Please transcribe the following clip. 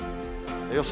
予想